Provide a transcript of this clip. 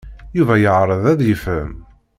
Yuba yeɛreḍ ad yefhem.